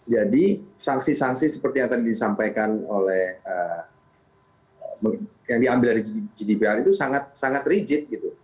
jadi sanksi sanksi seperti yang tadi disampaikan oleh yang diambil dari gdpr itu sangat rigid